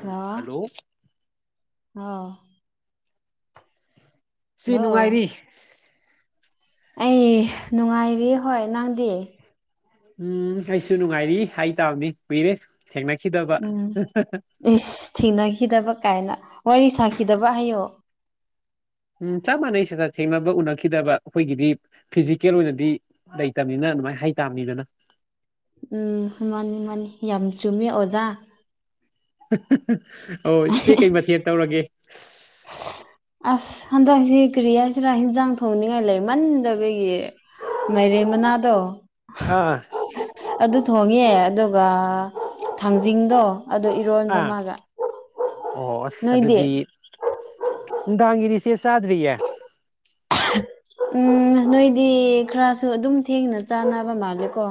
ꯎꯝ hello ꯑ ꯁꯤ hello ꯅꯨꯡꯉꯥꯏꯔꯤ ꯑꯩ ꯅꯨꯡꯉꯥꯏꯔꯤ ꯍꯣꯏ ꯅꯪꯗꯤ ꯎꯝ ꯑꯩꯁꯨ ꯅꯨꯡꯉꯥꯏꯔꯤ ꯍꯥꯏ ꯇꯥꯕꯅꯤ ꯀꯨꯏꯔꯦ ꯊꯦꯡꯅꯈꯤꯗꯕ ꯎꯝ ꯏꯁ ꯊꯦꯡꯅꯈꯤꯗꯕ ꯀꯥꯏꯅ ꯋꯥꯔꯤ ꯁꯥꯈꯤꯗꯕ ꯍꯌꯡ ꯎꯝ ꯆꯞ ꯃꯥꯟꯅꯩꯁꯤꯗ ꯊꯦꯡꯅꯕ ꯎꯅꯈꯤꯗꯕ ꯑꯩꯈꯣꯏꯒꯤꯗꯤ ꯐꯤꯖꯤꯀꯦꯜ ꯑꯣꯏꯅꯗꯤ ꯂꯩꯇꯕꯅꯤꯅ ꯑꯗꯨꯃꯥꯏꯅ ꯍꯩ ꯇꯥꯕꯅꯤꯗꯅ ꯎꯝ ꯃꯥꯅꯤ ꯃꯥꯅꯤ ꯌꯥꯝ ꯆꯨꯝꯃꯦ ꯑꯣꯖꯥ ꯑꯣ ꯁꯤ ꯀꯩ ꯃꯊꯦꯜ ꯇꯧꯔꯒꯦ ꯑꯁ ꯍꯟꯗꯛꯁꯤ ꯀ꯭ꯔꯤ ꯍꯥꯏꯁꯤꯔꯥ ꯍꯟꯖꯥꯡ ꯊꯣꯡꯅꯤꯡꯉꯥꯏ ꯂꯩ ꯃꯟꯗꯕꯒꯤ ꯃꯔꯤ ꯃꯅꯥꯗꯣ ꯑꯥ ꯑꯗꯨ ꯊꯣꯡꯉꯦ ꯑꯗꯨꯒ ꯊꯥꯡꯖꯤꯡꯗꯣ ꯑꯗꯨ ꯏꯔꯣꯟꯕ ꯑꯥ ꯃꯥꯒ ꯑꯣ ꯑꯁ ꯅꯣꯏꯗꯤ ꯑꯗꯨꯗꯤ ꯅꯨꯡꯗꯥꯡꯒꯤꯅꯤꯁꯦ ꯆꯥꯗ꯭ꯔꯤꯌꯦ ꯎꯝ ꯅꯣꯏꯗꯤ ꯈꯔꯁꯨ ꯑꯗꯨꯝ ꯊꯦꯡꯅ ꯆꯥꯅꯕ ꯃꯥꯜꯂꯦ ꯀꯣ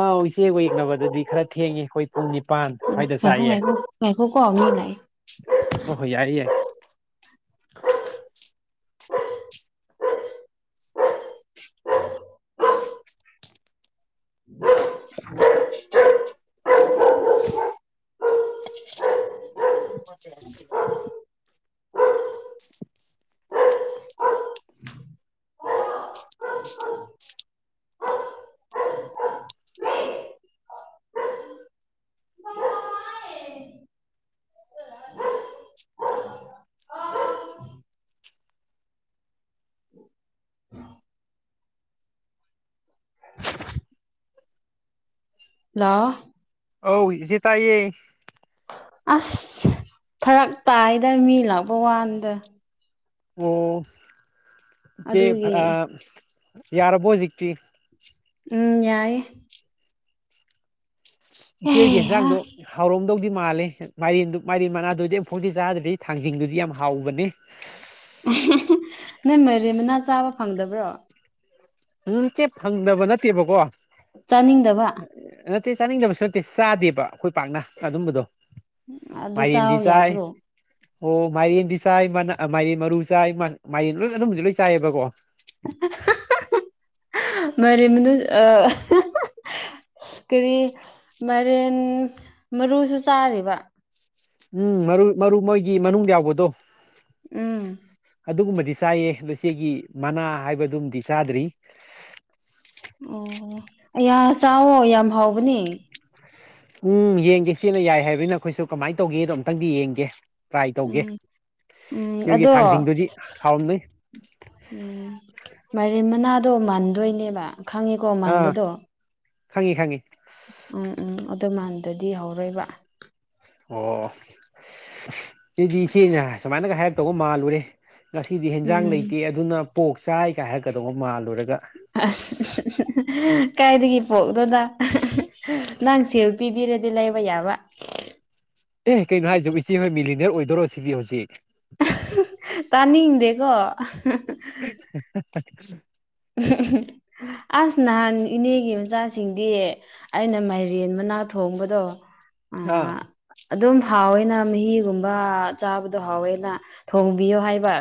ꯑꯥ ꯏꯆꯦꯒ ꯌꯦꯛꯅꯕꯗꯗꯤ ꯈꯔ ꯊꯦꯡꯉꯦ ꯑꯩꯈꯣꯏ ꯄꯨꯡ ꯅꯤꯄꯥꯟ ꯁ꯭ꯋꯥꯏꯗ ꯉꯥꯏꯈꯣ ꯆꯥꯛꯌꯦꯦ ꯉꯥꯏꯈꯣ ꯉꯥꯏꯈꯣꯀꯣ ꯃꯤ ꯂꯥꯛꯑꯦ ꯍꯣꯏ ꯍꯣꯏ ꯌꯥꯏ ꯌꯥꯏ ꯀ ꯃꯗꯦ ꯑ [unintelligible] ꯂ ꯑꯧ ꯆꯦ ꯇꯥꯏꯌꯦ ꯑꯁ ꯐꯔꯛ ꯇꯥꯏꯗ ꯃꯤ ꯂꯥꯛꯄ ꯋꯥꯗ ꯑꯣꯦ ꯑꯗꯨꯒꯤ ꯌꯥꯔꯕꯨꯣꯖꯤꯛꯇ ꯎꯝ ꯌꯥꯏꯦ ꯏꯆꯦꯒꯤ ꯑꯦꯍꯥ ꯌꯦꯟꯁꯥꯡꯗꯣ ꯍꯥꯎꯔꯝꯗꯧꯗꯤ ꯃꯥꯜꯂꯤ ꯃꯥꯏꯔꯦꯟꯗꯨ ꯃꯥꯏꯔꯦꯟ ꯃꯅꯥꯗꯨꯗꯤ ꯑꯃꯨꯛ ꯐꯥꯎꯗꯤꯤ ꯆꯥꯗ꯭ꯔꯗꯤ ꯊꯥꯡꯖꯤꯡꯗꯨꯗꯤ ꯌꯥꯝ ꯍꯥꯎꯕꯅꯦ ꯅꯪ ꯃꯔꯦ ꯃꯅꯥ ꯆꯥꯕ ꯐꯪꯗꯕ꯭ꯔꯣ ꯎꯝ ꯆꯦ ꯐꯪꯗꯕ ꯅꯠꯇꯦꯕꯀꯣ ꯆꯥꯅꯤꯡꯗꯕ ꯅꯠꯇꯦ ꯆꯥꯅꯤꯡꯗꯕꯁꯨ ꯅꯠꯇꯦ ꯆꯥꯗꯦꯕ ꯑꯩꯈꯣꯏ ꯄꯥꯛꯅ ꯑꯗꯨꯝꯕꯗꯣ ꯑꯗꯨ ꯃꯥꯒꯤ ꯆꯥꯎ ꯍꯗꯤ ꯆꯥꯏ ꯌꯥꯗ꯭ꯔꯣ ꯑꯣ ꯃꯥꯏꯔꯦꯟꯗꯤ ꯆꯥꯏ ꯃꯥꯏꯔꯦꯟ ꯃꯔꯨ ꯆꯥꯏ ꯃꯥꯏꯔꯦꯟ ꯂꯣꯏ ꯑꯗꯨꯅꯝꯕꯕꯨꯗꯤ ꯂꯣꯏ ꯆꯥꯏꯑꯕꯀꯣ [unintelligible] ꯃꯔꯤ ꯃꯅ ꯑ ꯀꯔꯤ ꯃꯔꯦꯟ ꯃꯔꯨꯁꯨ ꯆꯥꯔꯤꯕ ꯎꯝ ꯃꯔꯨ ꯃꯔꯨ ꯃꯣꯏꯒꯤ ꯃꯅꯨꯡ ꯌꯥꯎꯕꯗꯣ ꯎꯝ ꯑꯗꯨꯒꯨꯝꯕꯗꯤ ꯆꯥꯏꯌꯦ ꯂꯆꯦꯒꯤ ꯃꯅꯥ ꯍꯥꯏꯕꯗꯨꯃꯗꯤ ꯆꯥꯗ꯭ꯔꯤ ꯑꯣ ꯆꯥꯎꯋꯣ ꯌꯥꯝ ꯍꯥꯎꯕꯅꯤ ꯎꯝ ꯌꯦꯡꯒꯦ ꯆꯦꯅ ꯌꯥꯏ ꯍꯥꯏꯕꯅꯤꯅ ꯑꯩꯈꯣꯏꯁꯨ ꯀꯃꯥꯏꯅ ꯇꯧꯒꯦꯗꯣ ꯑꯃꯝꯇꯪꯗꯤ ꯌꯦꯡꯒꯦ ꯇ꯭ꯔꯥꯏ ꯇꯧꯒꯦ ꯎꯝ ꯎꯝ ꯁꯤꯣꯏꯒꯤ ꯑꯗꯣ ꯊꯥꯡꯖꯤꯡꯗꯨꯗꯤ ꯍꯥꯎꯔꯝꯗꯣꯏ ꯎꯝ ꯃꯔꯤ ꯃꯅꯥꯗꯣ ꯃꯥꯟꯗꯣꯏꯅꯦꯕ ꯈꯪꯉꯤꯀꯣ ꯑꯥ ꯃꯟꯥꯟꯕꯗꯣ ꯈꯪꯉꯤ ꯈꯪꯉꯤ ꯎꯝ ꯎꯝ ꯑꯗꯨꯃꯥꯟꯗꯗꯤ ꯍꯧꯔꯣꯏꯕ ꯑꯣ ꯁꯤꯗꯤ ꯁꯤꯅ ꯁꯨꯃꯥꯏꯅꯒ ꯍꯥꯏꯔꯛꯇꯧꯕ ꯃꯥꯜꯂꯨꯔꯦ ꯉꯁꯤꯗꯤ ꯍꯦꯟꯖꯥꯡ ꯎꯝ ꯂꯩꯇꯦ ꯑꯗꯨꯅ ꯄꯣꯛ ꯆꯥꯏꯒ ꯍꯥꯏꯔꯀꯗꯧꯕ ꯃꯥꯜꯂꯨꯔꯒ ꯑꯁ ꯀꯥꯏꯗꯒꯤ ꯄꯣꯛꯗꯣꯅ ꯅꯪꯁꯦꯜ ꯄꯤꯕꯤꯔꯗꯤ ꯂꯩꯕ ꯌꯥꯕ ꯑꯦ ꯀꯩꯅꯣ ꯍꯥꯏꯖ ꯏꯆꯦ ꯍꯣꯏ ꯃꯤꯂꯤꯅꯤꯌꯔ ꯑꯣꯏꯗꯣꯏꯔꯣ ꯁꯤꯗꯤ ꯍꯧꯖꯤꯛ ꯇꯥꯅꯤꯡꯗꯦꯀꯣ [inaudible] ꯑꯁ ꯅꯍꯥꯟ ꯏꯅꯦꯒꯤ ꯃ ꯆꯁꯤ ꯁꯤꯡꯗꯤ ꯑꯩꯅ ꯃꯥꯏꯔꯦꯟ ꯃꯅꯥ ꯊꯣꯡꯕꯗꯣ ꯑ ꯑꯥ ꯑꯗꯨꯝ ꯍꯥꯎꯋꯦꯅ ꯃꯍꯤꯒꯨꯝꯕ ꯆꯥꯕꯗꯣ ꯍꯥꯎꯋꯦꯅ ꯊꯣꯡꯕꯤꯌꯣ ꯍꯥꯏꯕ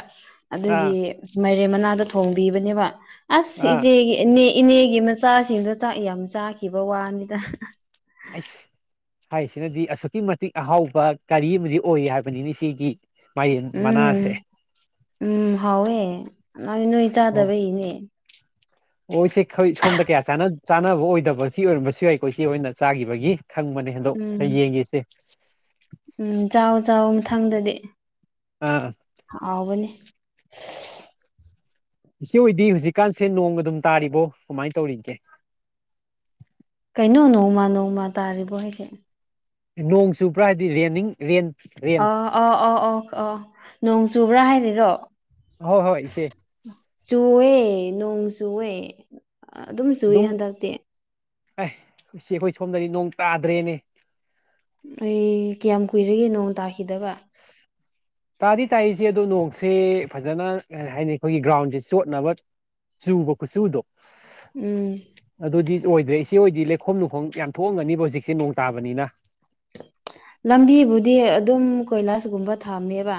ꯑꯥ ꯑꯗꯨꯒꯤ ꯃꯥꯏꯔꯦꯝ ꯃꯅꯥꯗ ꯊꯣꯡꯕꯤꯕꯅꯦꯕ ꯑꯁ ꯑꯥ ꯏꯆꯦꯒꯤ ꯏꯅꯦ ꯏꯅꯦꯒꯤ ꯃꯆꯥꯁꯤꯡꯗꯣ ꯆꯥꯛ ꯌꯥꯝ ꯆꯥꯈꯤꯕ ꯋꯥꯅꯤꯗ ꯑꯩꯁ ꯍꯥꯏꯔꯤꯁꯤꯅꯗꯤ ꯑꯁꯨꯛꯀꯤ ꯃꯇꯤꯛ ꯑꯍꯥꯎꯕ ꯀꯔꯤ ꯑꯃꯗꯤ ꯑꯣꯏ ꯍꯥꯏꯕꯅꯤꯅꯤ ꯁꯤꯒꯤ ꯃꯥꯏꯔꯦꯟ ꯃꯅꯥꯁꯦ ꯎꯝ ꯎꯝ ꯍꯥꯎꯋꯦ ꯅ ꯅꯣꯏ ꯑꯣ ꯆꯥꯗꯕꯩꯅꯦ ꯑꯣ ꯏꯆꯦ ꯁꯣꯝꯗ ꯀꯌꯥ ꯆꯥꯅꯕ ꯑꯣꯏꯗꯕꯒꯤ ꯑꯣꯏꯔꯝꯕꯁꯨ ꯌꯥꯏꯀꯣ ꯏꯆꯦ ꯑꯣꯏꯅ ꯆꯥꯈꯤꯕꯒꯤ ꯈꯪꯕꯅꯦ ꯍꯟꯗꯣꯛ ꯎꯝ ꯌꯦꯡꯉꯦꯁꯦ ꯎꯝ ꯆꯥꯎ ꯆꯥꯎ ꯃꯊꯪꯗꯗꯤ ꯑꯥ ꯍꯧꯕꯅꯦ ꯏꯆ ꯑꯣꯏꯗꯤ ꯍꯧꯖꯤꯛꯀꯥꯟꯁꯦ ꯅꯣꯡꯒ ꯑꯗꯨꯝ ꯇꯥꯔꯤꯕꯣ ꯀꯃꯥꯏꯅ ꯇꯧꯔꯤꯒꯦ ꯀꯩꯅꯣ ꯅꯣꯡꯃ ꯅꯣꯡꯃ ꯇꯥꯔꯤꯕꯣ ꯑꯩꯁꯦ ꯅꯣꯡꯁꯨ ꯄꯨꯔꯥ ꯍꯥꯏꯗꯤ ꯔꯦꯟꯅꯤꯡ ꯔꯦꯟ ꯔꯦꯟ ꯑ ꯑꯥ ꯑꯥ ꯑꯣ ꯑꯥ ꯅꯣꯡ ꯆꯨꯕ꯭ꯔꯥ ꯍꯥꯏꯔꯤꯔꯣ ꯍꯣꯏ ꯍꯣꯏꯁꯦ ꯆꯨꯋꯦ ꯅꯣꯡ ꯆꯨꯋꯦ ꯑꯗꯨꯝ ꯆꯨꯏꯦ ꯍꯟꯗꯛꯇꯤ ꯑꯦ ꯁꯤ ꯑꯩꯈꯣꯏ ꯁꯣꯝꯗꯗꯤ ꯅꯣꯡ ꯇꯥꯗ꯭ꯔꯦꯅꯦ ꯑꯩ ꯀꯌꯥꯝ ꯀꯨꯏꯔꯒꯦ ꯅꯣꯡ ꯇꯥꯈꯤꯗꯕ [unintelligible] ꯇꯥꯗꯤ ꯇꯥꯔꯤꯁꯦ ꯑꯗꯣ ꯅꯣꯡꯁꯦ ꯐꯖꯅ ꯀꯔꯤ ꯍꯥꯏꯅꯤ ꯑꯩꯈꯣꯏꯒꯤ ꯒ꯭ꯔꯥꯎꯟꯁꯦ ꯆꯣꯠꯅꯕ ꯆꯨꯕ ꯀꯆꯨꯗꯣ ꯎꯝ ꯑꯗꯨꯗꯤ ꯑꯣꯏꯗ꯭ꯔꯦ ꯏ ꯁꯤ ꯑꯣꯏꯗꯤ ꯂꯩꯈꯣꯝ ꯂꯨꯈꯣꯝ ꯌꯥꯝ ꯊꯣꯛꯑꯝꯒꯅꯤꯕ ꯍꯧꯖꯤꯛꯁꯦ ꯅꯣꯡ ꯇꯥꯕꯅꯤꯅ ꯂꯝꯕꯤꯕꯨꯗꯤ ꯑꯗꯨꯝ ꯀꯣꯏꯂꯥꯁꯀꯨꯝꯕ ꯊꯝꯃꯦꯕ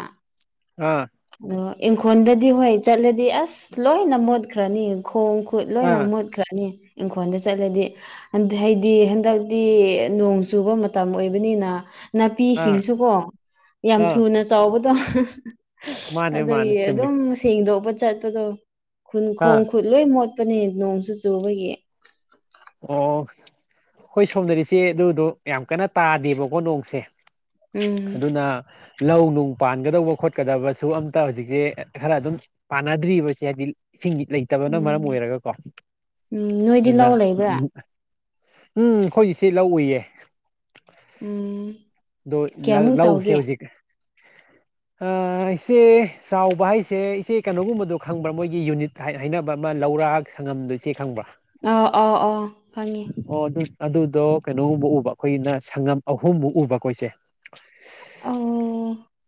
ꯑꯥ ꯑꯗꯣ ꯏꯪꯈꯣꯜꯗꯗꯤ ꯍꯣꯏ ꯆꯠꯂꯗꯤ ꯑꯁ ꯂꯣꯏꯅ ꯃꯣꯠꯈ꯭ꯔꯅꯤ ꯈꯣꯡ ꯈꯨꯠ ꯂꯣꯏꯅ ꯑꯥ ꯃꯨꯠꯈ꯭ꯔꯅꯤ ꯏꯪꯈꯣꯜꯗ ꯆꯠꯂꯗꯤ ꯍꯥꯏꯗꯤ ꯍꯟꯗꯛꯇꯤ ꯅꯣꯡ ꯆꯨꯕ ꯃꯇꯝ ꯑꯣꯏꯕꯅꯤꯅ ꯑꯥ ꯅꯥꯄꯤꯁꯤꯡꯁꯨꯀꯣ ꯌꯥꯝ ꯑꯥ ꯊꯨꯅ ꯆꯥꯎꯕꯗꯣ ꯃꯥꯅꯦ ꯑꯗꯨꯗꯒꯤ ꯃꯥꯅꯦ ꯆꯨꯝꯃꯤ ꯑꯗꯨꯝ ꯁꯦꯡꯗꯣꯛꯄ ꯆꯠꯄꯗꯣ ꯈꯨꯟ ꯑꯥ ꯈꯣꯡ ꯈꯨꯠ ꯂꯣꯏ ꯃꯣꯠꯄꯅꯦ ꯅꯣꯡꯁꯨ ꯆꯨꯕꯒꯤ ꯑꯣ ꯑꯩꯈꯣꯏ ꯁꯣꯝꯅꯔꯤꯁꯦ ꯑꯗꯨꯗꯣ ꯌꯥꯝ ꯀꯟꯅ ꯇꯥꯗꯦꯕꯀꯣ ꯅꯣꯡꯁꯦ ꯎꯝ ꯑꯗꯨꯅ ꯂꯧ ꯅꯨꯡ ꯄꯥꯟꯒꯗꯧꯕ ꯈꯣꯠꯀꯗꯕꯁꯨ ꯑꯝꯇ ꯍꯧꯖꯤꯛꯁꯦ ꯈꯔ ꯑꯗꯨꯝ ꯄꯥꯟꯅꯗ꯭ꯔꯤꯕꯁꯦ ꯍꯥꯏꯗꯤ ꯏꯁꯤꯡꯒꯤ ꯂꯩꯇꯕꯅ ꯃꯔꯝ ꯎꯝ ꯑꯣꯏꯔꯒꯀꯣ ꯎꯝ ꯅꯣꯏꯗꯤ ꯑꯗꯨꯅ ꯂꯧ ꯂꯩꯕ꯭ꯔꯥ ꯎꯝ ꯑꯩꯈꯣꯏꯒꯤꯁꯤꯦ ꯂꯧ ꯎꯏꯌꯦ ꯎꯝ ꯑꯗ‌ꯣ ꯀꯌꯥꯃꯨꯛ ꯂꯧ-ꯂꯧꯎꯁꯦ ꯆꯥꯎꯒꯦ ꯍꯧꯖꯤꯛ ꯏꯆꯦ ꯆꯥꯎꯕ ꯍꯥꯏꯁꯦ ꯏꯆꯦ ꯀꯩꯅꯣꯒꯨꯝꯕꯗꯣ ꯈꯪꯕ꯭ꯔꯥ ꯃꯣꯏꯒꯤ ꯌꯨꯅꯤꯠ ꯍꯥꯏꯅ-ꯍꯥꯏꯅꯕ ꯑꯃ ꯂꯧꯔꯥꯛ ꯁꯪꯉꯝꯗꯨ ꯏꯆꯦ ꯈꯪꯕ꯭ꯔꯥ ꯑꯥꯎ-ꯑꯥꯎ-ꯑꯥꯎ ꯐꯪꯉꯦ ꯑꯣ ꯑꯗꯨ-ꯑꯗꯨꯗꯣ ꯀꯩꯅꯣꯒꯨꯝꯕ ꯎꯕ ꯑꯩꯈꯣꯏꯒꯤꯅ ꯁꯪꯉꯝ ꯑꯍꯨꯝꯃꯨꯛ ꯎꯕ ꯑꯈꯣꯏꯁꯦ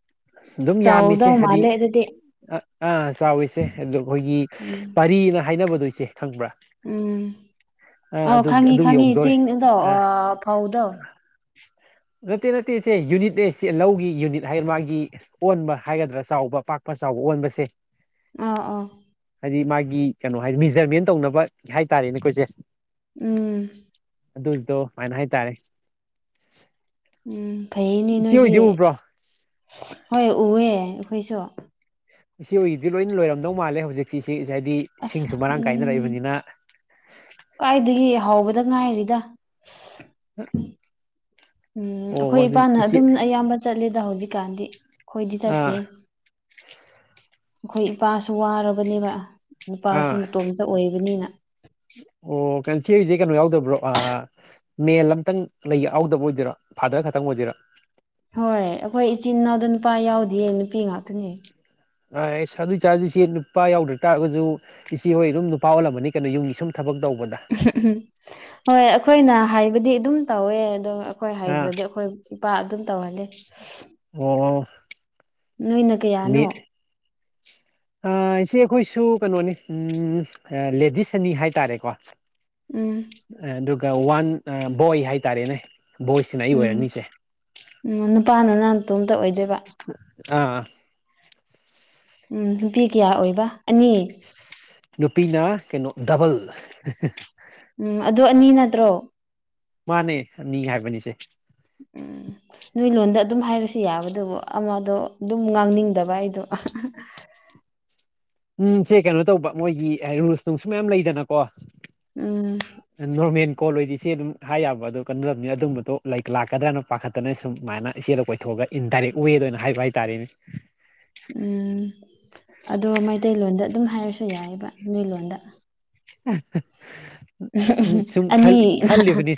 [inaudible] ꯆꯥꯎꯗꯧ ꯃꯥꯜꯂꯦ ꯑꯗꯨꯗꯤ ꯑꯥ-ꯑꯥ ꯆꯥꯎꯏ ꯏꯆ‌ꯦ ꯑꯗꯣ ꯑꯩꯈꯣꯏꯒꯤ ꯎꯝ ꯄꯥꯔꯤꯅ ꯍꯥꯏꯅꯕꯗꯣ ꯏꯆ‌ꯦ ꯈꯪꯕ꯭ꯔꯥ ꯎꯝ ꯑꯥ ꯑꯧ ꯈꯪꯉꯤ ꯑꯗꯨꯒꯤ-ꯑꯗꯨ ꯈꯪꯉꯤ ꯌꯧꯗꯣꯔꯦ ꯆꯤꯡꯗꯣ ꯑꯥ ꯐꯧꯗꯣ [inaudible] ꯅꯠꯇꯦ-ꯅꯠꯇꯦ ꯏꯆ‌ꯦ ꯌꯨꯅꯤꯠꯅꯦ ꯏꯆ‌ꯦ ꯂꯧꯒꯤ ꯌꯨꯅꯤꯠ ꯍꯥꯏꯔꯦ ꯃꯥꯒꯤ ꯑꯣꯟꯕ ꯍꯥꯏꯒꯗ꯭ꯔꯥ ꯆꯥꯎꯕ ꯄꯥꯛꯄ ꯆꯥꯎꯕ ꯑꯣꯟꯕꯁꯦ ꯑꯥꯎ-ꯑꯥꯎ ꯍꯥꯏꯗꯤ ꯃꯥꯒꯤ ꯀꯩꯅꯣ ꯍꯥꯏꯗꯤ ꯃꯤꯖ꯭ꯔꯃꯦꯟ ꯇꯧꯅꯕ ꯍꯥꯏꯇꯥꯔꯦꯅꯦ ꯀ‌ꯣ ꯏꯆ‌ꯦ ꯎꯝ ꯑꯗꯨꯏꯗꯣ ꯍꯥꯏꯅ ꯍꯥꯏꯇꯥꯔꯦ ꯎꯝ ꯐꯩꯌ‌ꯦꯅ‌ꯦ ꯏꯆꯦ ꯅꯣꯏꯗꯤ ꯍꯣꯏꯗꯤ ꯎꯕ꯭ꯔꯣ ꯍꯣꯏ ꯎꯑꯦ ꯑꯩꯈꯣꯏꯁꯨ ꯏꯆ‌ꯦ ꯍ‌ꯣꯏꯒꯤꯗꯤ ꯂꯣꯏꯅ ꯂꯣꯏꯔꯝꯗꯧ ꯃꯥꯜꯂꯦ ꯍꯧꯖꯤꯛꯁꯤ [inaudible] ꯉꯥꯏꯗꯤ ꯑꯁ ꯏꯁꯤꯡꯁꯨ ꯃꯔꯥꯡ ꯀꯥꯏꯅ ꯎꯝ ꯂꯩꯕꯅꯤꯅ ꯀꯥꯏꯗꯒꯤ ꯍꯥꯎꯕꯗ ꯉꯥꯏꯔꯤꯗ [unintelligible] ꯎꯝ ꯑꯣ ꯑꯈꯣꯏ ꯑꯗꯨ ꯏꯄꯥꯅ ꯏꯆꯦ ꯑꯗꯨꯝ ꯑꯌꯥꯝꯕ ꯆꯠꯂꯤꯗ ꯍꯧꯖꯤꯛꯀꯥꯟꯗꯤ ꯑꯩꯈꯣꯏꯗꯤ ꯆꯠꯇꯦ ꯑꯥ ꯑꯈꯣꯏ ꯏꯄꯥꯁꯨ ꯋꯥꯔꯕꯅꯦꯕ ꯅꯨꯄꯥꯁꯨ ꯑꯥ ꯃꯇꯣꯝꯇ ꯑꯣꯏꯕꯅꯤꯅ ꯑꯣ ꯀꯟꯁ‌ꯦꯒꯤꯗꯤ ꯀꯩꯅꯣ ꯌꯥꯎꯗꯕ꯭ꯔꯣ ꯑꯥ ꯃꯦꯜ ꯑꯝꯇꯪ ꯂꯩ ꯌꯥꯎꯗꯕ ꯑꯣꯏꯗꯣꯏꯔ‌ꯣ ꯐꯥꯗꯔ ꯈꯛꯇꯪ ꯑꯣꯏꯗꯣꯏꯔ‌ꯣ ꯍꯣꯏ ꯑꯈꯣꯏ ꯏꯆꯤꯟ ꯏꯅꯥꯎꯗ ꯅꯨꯄꯥ ꯌꯥꯎꯗꯤꯌꯦ ꯅꯨꯄꯤ ꯉꯥꯛꯇꯅꯦ [inaudible] ꯑꯗꯨꯑ‌ꯣꯏꯇꯔꯁꯨ ꯏꯆ‌ꯦ ꯅꯨꯄꯥ ꯌꯥꯎꯗ꯭ꯔ ꯇꯥꯔꯒꯖꯨ ꯏꯆꯦ ꯍꯣꯏ ꯑꯗꯨꯝ ꯅꯨꯄꯥ ꯑꯣꯜꯂꯝꯃꯅꯤ ꯀꯩꯅꯣ ꯌꯨꯝꯒꯤ ꯁꯨꯝ ꯊꯕꯛ ꯇꯧꯕꯗ ꯎꯝ ꯍꯣꯏ ꯑꯩꯈꯣꯏꯅ ꯍꯥꯏꯕꯗꯤ ꯑꯗꯨꯝ ꯇꯧꯋꯦ ꯑꯗꯣ ꯑꯩꯈꯣꯏ ꯑꯥ ꯍꯥꯏꯗ꯭ꯔꯗꯤ ꯑꯩꯈꯣꯏ ꯏꯄꯥ ꯑꯗꯨꯝ ꯇꯧꯍꯜꯂꯦ ꯑꯣ-ꯑ‌ꯣ ꯅꯣꯏꯅ ꯀꯌꯥꯅꯣ ꯑꯥ ꯏꯆꯦ ꯑꯩꯈꯣꯏꯁꯨ ꯀꯩꯅꯣꯅꯤ ꯎꯝ ꯂꯦꯗꯤꯁ ꯑꯅꯤ ꯍꯥꯏꯇꯥꯔꯦꯀꯣ ꯎꯝ ꯑꯗꯨꯒ ꯋꯥꯟ ꯕꯣꯏ ꯍꯥꯏꯇꯥꯔꯦꯅꯦ ꯕꯣꯏꯁꯤꯅ ꯑꯩ ꯎꯝ ꯑꯣꯏꯔꯅꯤꯁꯦ ꯎꯝ ꯅꯨꯄꯥꯅ ꯅꯥꯅꯇꯣꯝꯇ ꯑꯣꯏꯗꯣꯏꯕ ꯑꯥ ꯎꯝ ꯅꯨꯄꯤ ꯀꯌꯥ ꯑꯣꯏꯕ ꯑꯅꯤ ꯅꯨꯄꯤꯅ ꯀꯩꯅꯣ ꯗꯕꯜ ꯎꯝ ꯑꯗꯨ ꯑꯅꯤ ꯅꯠꯇ꯭ꯔꯣ ꯃꯥꯅꯦ ꯑꯅꯤ ꯍꯥꯏꯕꯅꯤ ꯁ‌ꯦ ꯎꯝ [unintelligible] ꯅꯣꯏ ꯂꯣꯟꯗ ꯑꯗꯨꯝ ꯍꯥꯏꯔꯁꯨ ꯌꯥꯕꯗꯨꯕꯨ ꯑꯃꯗꯣ ꯑꯗꯨꯝ ꯉꯥꯡꯅꯤꯡꯗꯕ ꯑꯩꯗꯣ ꯎꯝ ꯏꯆ‌ꯦ ꯀꯩꯅꯣ ꯇꯧꯕ ꯃꯣꯏꯒꯤ ꯔꯨꯜꯁ ꯅꯨꯡꯁꯨ ꯃꯌꯥꯝ ꯂꯩꯗꯅꯀꯣ ꯎꯝ ꯑꯥ ꯅ‌ꯣꯔꯃ‌ꯦꯟ ꯀꯣꯜ ꯑꯣꯏꯣꯏꯗꯤ ꯏꯆꯦ ꯑꯗꯨꯝ ꯍꯥꯏ ꯌꯥꯕ ꯑꯗꯨꯣ ꯀ‌ꯣꯜ ꯑ‌ꯣꯏꯗꯤ ꯏꯆ‌ꯦ ꯑꯗꯨꯝ ꯍꯥꯏꯌꯥꯕ ꯑꯗꯨ [inaudible] ꯂꯥꯛꯀꯗ꯭ꯔꯅ ꯄꯥꯈꯠꯇꯅ ꯁꯨꯝꯃꯥꯏꯅ ꯏꯆꯦꯗ ꯀꯣꯏꯊꯣꯛꯑꯒ ꯏꯟ ꯗꯥꯏꯔꯦꯛ ꯋꯦꯗ ꯑꯣꯏꯅ ꯍꯥꯏꯕ ꯍꯥꯏꯇꯥꯔꯦꯅꯦ ꯎꯝ ꯑꯗꯣ ꯃꯩꯇꯩꯂꯣꯟꯗ ꯑꯗꯨꯝ ꯍꯥꯏꯔꯁꯨ ꯌꯥꯏꯑꯕ ꯅ‌ꯣꯏ ꯂꯣꯟꯗ ꯎ ꯁꯨꯝ ꯑꯅꯤ ꯈꯜꯂꯤ-ꯈꯜꯂꯤꯕꯅꯤ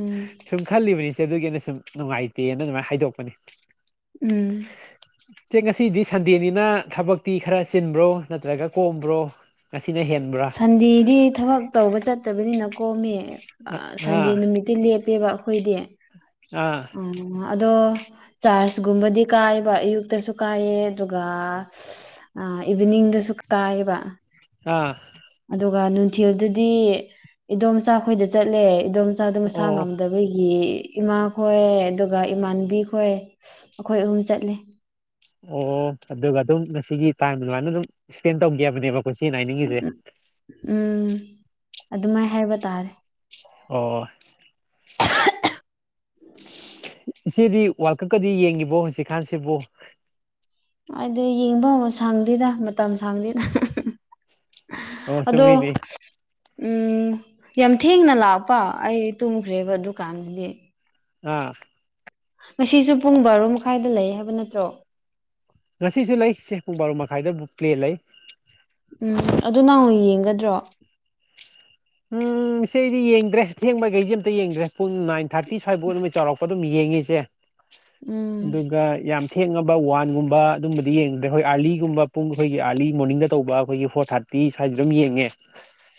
ꯎꯝ ꯁꯨꯝ ꯈꯜꯂꯤꯕꯅꯤ ꯏꯆ‌ꯦ ꯑꯗꯨꯒꯤ ꯑꯩꯅ ꯁꯨꯝ ꯅꯨꯡꯉꯥꯏꯇꯦꯅ ꯑꯗꯨꯃꯥꯏꯅ ꯍꯥꯏꯗꯣꯛꯄꯅ‌ꯦ ꯎꯝ ꯆꯦ ꯉꯁꯤꯗꯤ ꯁꯟꯗꯦꯅꯤꯅ ꯊꯕꯛꯇꯤ ꯈꯔ ꯆꯤꯟꯕ꯭ꯔꯣ ꯅꯠꯇ꯭ꯔꯒ ꯀꯣꯝꯕ꯭ꯔꯣ ꯉꯁꯤꯅ ꯍꯦꯟꯕ꯭ꯔꯥ ꯁꯟꯗꯦꯗꯤ ꯊꯕꯛ ꯇꯧꯕ ꯆꯠꯇꯕꯅꯤꯅ ꯀꯣꯝꯃꯦ ꯑꯥ ꯁꯟꯗꯦ ꯅꯨꯃꯤ ꯅꯨꯃꯤꯛꯇꯤ ꯂꯦꯞꯄꯦꯕ ꯑꯩꯈꯣꯏꯗꯤ ꯑꯥ ꯎ ꯑꯗꯣ ꯆꯥꯔꯖꯀꯨꯝꯕꯗꯤ ꯀꯥꯏꯕ ꯑꯌꯨꯛꯇꯁꯨ ꯀꯥꯏꯌꯦ ꯑꯗꯨꯒ ꯑ ꯏꯚꯤꯅꯤꯡꯗꯁꯨ ꯀꯥꯏꯕ ꯑꯥ ꯑꯗꯨꯒ ꯅꯨꯡꯊꯤꯜꯗꯨꯗꯤ ꯏꯗꯣꯝꯆꯥꯈꯣꯏꯗ ꯆꯠꯂꯦ ꯏꯗꯣꯝꯆꯥꯗꯣ ꯃꯁꯥ ꯑꯣ ꯉꯝꯗꯕ ꯑꯩꯈꯣꯏꯒꯤ ꯏꯃꯥ ꯈꯣꯏ ꯑꯗꯨꯒ ꯏꯃꯥꯟꯕꯤ ꯈꯣꯏ ꯑꯩꯈꯣꯏ ꯑꯍꯨꯝ ꯆꯠꯂꯦ ꯑꯣ ꯑꯗꯨꯒ ꯑꯗꯨꯝ ꯉꯁꯤꯒꯤ ꯇꯥꯏꯝ ꯑꯗꯨꯃꯥꯏꯅ ꯑꯗꯨꯝ ꯏꯁꯄꯦꯟ ꯇꯧꯒꯦꯕꯅꯦꯕꯀꯣ ꯁꯤꯅ ꯍꯥꯏꯅꯤꯡꯉꯤꯁꯦ ꯎꯝ ꯑꯗꯨꯃꯥꯏ ꯍꯥꯏꯕ ꯇꯥꯔꯦ ꯑꯣ ꯏꯆꯦꯗꯤ ꯋꯥꯔꯜ ꯀꯞꯀꯗꯤ ꯌꯦꯡꯉꯤꯕꯣ ꯍꯧꯖꯤꯛꯀꯥꯟꯁꯤꯕꯨ ꯍꯥꯏꯗꯤ ꯌꯦꯡꯕ ꯑꯃ ꯁꯪꯗꯦꯗ ꯃꯇꯝ ꯁꯥꯡꯗꯦꯗ ꯑꯣ ꯑꯗꯣ ꯆꯨꯝꯃꯤꯅꯦ ꯎꯝ ꯌꯥꯝ ꯊꯦꯡꯅ ꯂꯥꯛꯄ ꯑꯩ ꯇꯨꯝꯈ꯭ꯔꯦꯕ ꯗꯨꯀꯥꯟꯗꯗꯤ ꯑꯥ ꯉꯁꯤꯁꯨ ꯄꯨꯡ ꯕꯥꯔꯣ ꯃꯈꯥꯏꯗ ꯂꯩ ꯍꯥꯏꯕ ꯅꯠꯇ꯭ꯔꯣ ꯉꯁꯤꯁꯨ ꯂꯩ ꯁꯦ ꯄꯨꯡ ꯕꯥꯔꯣ ꯃꯈꯥꯏꯗꯕꯨꯛ ꯄ꯭ꯂꯦ ꯂꯩ ꯎꯝ ꯑꯗꯨ ꯅꯪꯨ ꯌꯦꯡꯒꯗ꯭ꯔꯣ ꯎꯝ ꯄꯪꯁꯦ ꯑꯩꯗꯤ ꯌꯦꯡꯗ꯭ꯔꯦ ꯊꯦꯡꯕꯈꯩꯁꯦ ꯑꯝꯇ ꯌꯦꯡꯗ꯭ꯔꯦ ꯄꯨꯡ ꯅꯥꯏꯟ ꯊꯥꯔꯇꯤ ꯁ꯭ꯋꯥꯏꯐꯥꯎꯠ ꯑꯃ ꯆꯥꯎꯔꯛꯄ ꯑꯗꯨꯝ ꯌꯦꯡꯉꯁꯦ ꯎꯝ ꯑꯗꯨꯒ ꯌꯥꯝ ꯊꯦꯡꯉꯕ ꯋꯥꯟꯒꯨꯝꯕ ꯑꯗꯨꯝꯕꯗꯤ ꯌꯦꯡꯉꯗ꯭ꯔꯦ ꯑꯩꯈꯣꯏ ꯑꯥꯔꯂꯤꯒꯨꯝꯕ ꯄꯨꯡ ꯑꯩꯈꯣꯏꯒꯤ ꯑꯥꯔꯂꯤ ꯃꯣꯔꯅꯤꯡꯗ ꯇꯧꯕ ꯑꯩꯈꯣꯏꯒꯤ ꯐꯣꯔ ꯊꯥꯔꯤ ꯄꯤ ꯁ꯭ꯋꯥꯏꯁꯤꯗꯝ ꯌꯦꯡꯉꯦ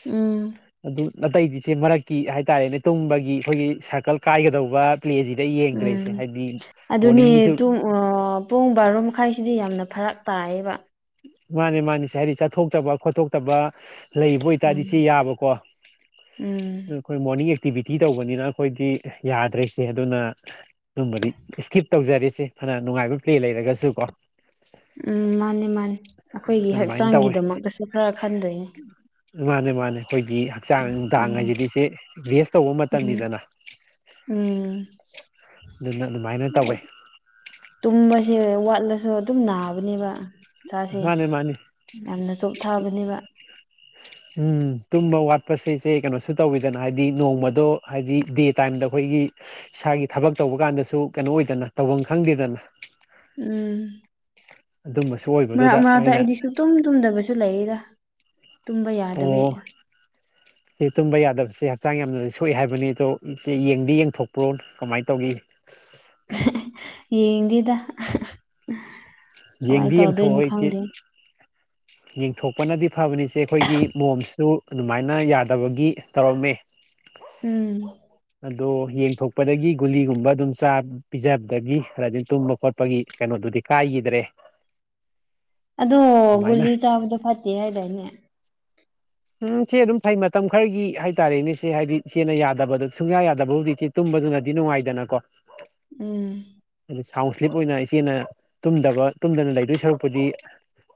ꯎꯝ ꯑꯗꯨ ꯑꯅꯥꯇꯩꯗꯤꯁꯦ ꯃꯔꯛꯀꯤ ꯍꯥꯏꯇꯥꯔꯦꯅꯦ ꯇꯨꯝꯕꯒꯤ ꯑꯩꯈꯣꯏꯒꯤ ꯁꯥꯔꯀꯜ ꯀꯥꯏꯒꯗꯧꯕ ꯄ꯭ꯂꯦꯁꯤꯗ ꯌꯦꯡꯗ꯭ꯔꯔꯤꯁꯦ ꯎꯝ ꯍꯥꯏꯕꯗꯤ ꯑꯗꯨꯅꯦ ꯃꯣꯔꯅꯤꯡꯒꯤꯁꯨ ꯇꯨꯡ ꯑꯥ ꯄꯨꯡ ꯕꯥꯔꯣ ꯃꯈꯥꯏꯁꯤꯗꯤ ꯌꯥꯝꯅ ꯐꯔꯛ ꯇꯥꯏꯌꯦꯕ ꯃꯥꯅꯤ ꯃꯥꯅꯤꯁꯦ ꯍꯥꯏꯗꯤ ꯆꯠꯊꯣꯛꯆꯕ ꯈꯣꯠꯇꯣꯛꯄ ꯐꯠꯇꯕ ꯂꯩꯕ ꯑꯣꯏꯇꯥꯔꯗꯤ ꯁꯤ ꯎꯝ ꯌꯥꯕꯀꯣ ꯎꯝ ꯑꯩꯈꯣꯏ ꯃꯣꯔꯅꯤꯡ ꯑꯦꯛꯇꯤ ꯇꯧꯕꯅꯤꯅ ꯑꯩꯈꯣꯏꯗꯤ ꯌꯥꯗ꯭ꯔꯤꯁꯦ ꯑꯗꯨꯅ ꯑꯗꯨꯝꯕꯗꯤ ꯏꯁꯀꯤꯞ ꯇꯧꯖꯔꯤꯁꯦ ꯐꯅ ꯅꯨꯡꯉꯥꯏꯕ ꯄ꯭ꯂꯦ ꯂꯩꯔꯒꯁꯨ ꯀꯣ ꯎꯝ ꯃꯥꯅꯤ ꯃꯥꯅꯤ ꯑꯩꯈꯣꯏꯒꯤ ꯑꯗꯨꯃꯥꯏꯅ ꯇꯧꯋꯦ ꯍꯛꯆꯥꯡꯒꯤꯗꯃꯛꯇꯁꯨ ꯈꯔ ꯈꯟꯗꯣꯏꯅꯦ ꯃꯥꯅꯦ ꯃꯥꯅꯦ ꯑꯩꯈꯣꯏꯒꯤ ꯍꯛꯆꯥꯡ ꯅꯨꯡꯗꯥꯡ ꯎꯝ ꯍꯥꯏꯁꯤꯗꯤ ꯏꯁꯦ ꯔꯦꯁ ꯇꯧꯕ ꯎꯝ ꯃꯇꯝꯅꯤꯗꯅ ꯎꯝ ꯑꯗꯨꯅ ꯑꯗꯨꯃꯥꯏꯅ ꯇꯧꯋꯦ ꯇꯨꯝꯕꯁꯦ ꯋꯥꯠꯂꯁꯨ ꯑꯗꯨꯝ ꯅꯥꯕꯅꯦꯕ ꯁꯥꯁꯦ ꯃꯥꯅꯦ ꯃꯥꯅꯦ ꯌꯥꯝꯅ ꯆꯣꯞ ꯊꯥꯕꯅꯦꯕ ꯎꯝ ꯇꯨꯝꯕ ꯋꯥꯠꯄꯁꯁꯦ ꯀꯩꯅꯣꯁꯨ ꯇꯧꯋꯤꯗꯅ ꯍꯥꯏꯗꯤ ꯅꯣꯡꯃꯗꯣ ꯍꯥꯏꯗꯤ ꯗꯦꯠ ꯇꯥꯏꯝꯗ ꯑꯩꯈꯣꯏꯒꯤ ꯏꯁꯥꯒꯤ ꯊꯕꯛ ꯇꯧꯕ ꯀꯥꯟꯗꯁꯨ ꯀꯩꯅꯣ ꯑꯣꯏꯗꯅ ꯇꯧꯐꯝ ꯈꯪꯗꯦꯗꯅ ꯎꯝ ꯑꯗꯨꯝꯕꯁꯨ ꯑꯣꯏꯕꯗꯨꯗ ꯑꯩꯅ ꯇꯨꯝ ꯇꯨꯝꯗꯕꯁꯨ ꯂꯩꯗ ꯑꯣ ꯁꯤ ꯇꯨꯝꯕ ꯌꯥꯗꯕꯁꯦ ꯍꯛꯆꯥꯡ ꯌꯥꯝꯅꯗꯤ ꯁꯣꯛꯏ ꯍꯥꯏꯕꯅꯤ ꯑꯗꯣ ꯆꯦ ꯌꯦꯡꯗꯤ ꯌꯦꯡꯊꯣꯛꯄ꯭ꯔꯣ ꯀꯃꯥꯏꯅ ꯇꯧꯏ ꯌꯦꯡꯗꯦꯗ ꯌꯦꯡꯗꯤ ꯀꯃꯥꯏꯅ ꯇꯧꯗꯣꯏꯅꯣ ꯌꯦꯡꯊꯣꯛꯑꯣ ꯏꯆꯦ ꯈꯪꯗꯦ ꯌꯦꯡꯊꯣꯛꯄꯅꯗꯤ ꯐꯕꯅꯤꯆꯦ ꯑꯩꯈꯣꯏꯒꯤ ꯃꯣꯝꯁꯨ ꯑꯗꯨꯃꯥꯏꯅ ꯌꯥꯗꯕꯒꯤ ꯇꯧꯔꯝꯃꯦ ꯎꯝ ꯑꯗꯣ ꯌꯦꯡꯊꯣꯛꯄꯗꯒꯤ ꯒꯨꯂꯤꯒꯨꯝꯕ ꯑꯗꯨꯝ ꯆꯥ ꯄꯤꯖꯕꯗꯒꯤ ꯈꯗꯤ ꯇꯨꯝꯕ ꯈꯣꯠꯄꯒꯤ ꯀꯩꯅꯣꯗꯨꯗꯤ ꯀꯥꯏꯈꯤꯗ꯭ꯔꯦ ꯑꯗꯣ ꯑꯗꯨꯃꯥꯏꯅ ꯒꯨꯂꯤ ꯆꯥꯕꯗꯣ ꯐꯠꯇꯦ ꯍꯥꯏꯗꯥꯏꯅꯦ ꯎꯝ ꯁꯤꯦ ꯑꯗꯨꯝ ꯐꯩ ꯃꯇꯝ ꯈꯔꯒꯤ ꯍꯥꯏꯇꯥꯔꯦꯅꯦꯁꯦ ꯍꯥꯏꯗꯤ ꯆꯦꯅ ꯌꯥꯗꯕꯗꯣ ꯁꯨꯡꯌꯥ ꯌꯥꯗꯕꯕꯨꯖꯤꯛꯇ ꯇꯨꯝꯕꯗꯨꯅꯗꯤ ꯅꯨꯡꯉꯥꯏꯗꯅꯀꯣ ꯎꯝ ꯑꯗꯤ ꯁꯥꯎꯟ ꯁ꯭ꯂꯤꯞ ꯑꯣꯏꯅ ꯏꯆꯦꯅ ꯇꯨꯝꯗꯕ ꯇꯨꯝꯗꯅ ꯂꯩꯗꯣꯏ ꯁꯔꯨꯛꯄꯨꯗꯤ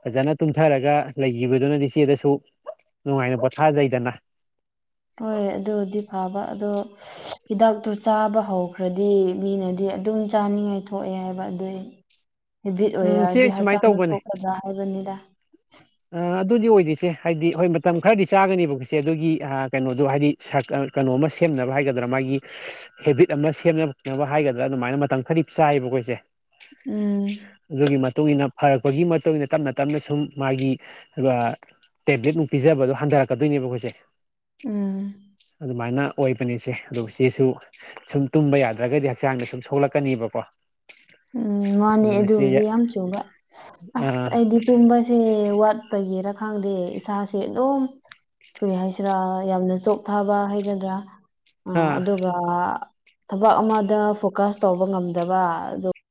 ꯐꯖꯅ ꯇꯨꯝꯊꯔꯒ ꯂꯩꯈꯤꯕꯗꯨꯅ ꯏꯆꯦꯗꯁꯨ ꯅꯨꯡꯉꯥꯏꯅ ꯄꯣꯊꯥꯖꯩꯗꯅ ꯍꯣꯏ ꯑꯗꯨꯗꯤ ꯐꯕ ꯑꯗꯣ ꯍꯤꯗꯥꯛꯇꯨ ꯆꯥꯕ ꯍꯧꯈ꯭ꯔꯗꯤ ꯃꯤꯅꯗꯤ ꯑꯗꯨꯝ ꯆꯥꯅꯤꯡꯉꯥꯏ ꯊꯣꯛꯑꯦ ꯍꯥꯏꯕ ꯑꯗꯨꯏ [unintelligible] ꯍꯦꯕꯤꯠ ꯎꯝ ꯁꯦ ꯑꯣꯏꯔꯛꯑꯗꯤ ꯁꯨꯃꯥꯏꯅ ꯍꯛꯆꯥꯡꯅ ꯇꯧꯕꯅꯦ ꯁꯣꯛꯀꯗ꯭ꯔꯥ ꯍꯥꯏꯕꯅꯤꯗ ꯑ ꯑꯗꯨꯗꯤ ꯑꯣꯏꯗꯣꯏꯁꯦ ꯍꯥꯏꯗꯤ ꯍꯣꯏ ꯃꯇꯝ ꯈꯔꯗꯤ ꯆꯥꯒꯅꯦꯕꯒꯤꯁꯦ ꯑꯗꯨꯒꯤ ꯀꯩꯅꯣꯗꯣ ꯍꯥꯏꯗꯤ ꯀꯩꯅꯣꯝꯃ ꯁꯦꯝꯅꯕ ꯍꯥꯏꯒꯗ꯭ꯔꯥ ꯃꯥꯒꯤ ꯍꯦꯕꯤꯠ ꯑꯃ ꯁꯦꯝꯅꯕ ꯈꯅꯕ ꯍꯥꯏꯒꯗ꯭ꯔꯥ ꯑꯗꯨꯃꯥꯏꯅ ꯃꯇꯝ ꯈꯔ ꯆꯥꯏꯕ ꯑꯩꯈꯣꯏꯁꯦ ꯎꯝ ꯑꯗꯨꯒꯤ ꯃꯇꯨꯡ ꯏ ꯃꯇꯨꯡꯏꯟꯅ ꯐꯔꯛꯄꯒꯤ ꯃꯇꯨꯡ ꯃꯇꯨꯡꯏꯟꯅ ꯇꯞꯅ ꯇꯞꯅ ꯁꯨꯝ ꯃꯥꯒꯤ ꯑꯗꯨꯒ ꯇꯦꯕ꯭ꯂꯦꯠ ꯅꯨꯡ ꯄꯤꯖꯕꯗꯣ ꯍꯟꯊꯔꯛꯀꯗꯣꯏꯅꯦꯕ ꯑꯩꯈꯣꯏꯁꯦ ꯎꯝ ꯑꯗꯨꯃꯥꯏꯅ ꯑꯣꯏꯕꯅꯤꯆꯦ ꯑꯗꯨ ꯏꯆꯦꯁꯨ ꯁꯨꯝ ꯇꯨꯝꯕ ꯌꯥꯗ꯭ꯔꯒꯗꯤ ꯍꯛꯆꯥꯡꯗ ꯁꯨꯝ ꯁꯣꯛꯂꯛꯀꯅꯦꯕꯀꯣ ꯎꯝ ꯃꯥꯅꯦ ꯑꯗꯨꯕꯨꯗꯤ ꯌꯥꯝ ꯆꯨꯕ ꯑꯁ ꯑꯥ ꯑꯩꯗꯤ ꯇꯨꯝꯕ ꯁ ꯋꯥꯠꯄꯒꯤꯦꯔ ꯈꯪꯗꯦ ꯏꯁꯥꯁꯦ ꯑꯗꯨꯝ ꯀꯔꯤ ꯍꯥꯏꯁꯤꯔꯥ ꯌꯥꯝꯅ ꯆꯣꯞꯊꯥꯕ ꯍꯥꯏꯒꯗ꯭ꯔꯥ ꯑ ꯑꯥ ꯑꯗꯨꯒ ꯊꯕꯛ ꯑꯃꯗ ꯐꯣꯀꯁ ꯇꯧꯕ ꯉꯝꯗꯕ ꯑꯗꯨ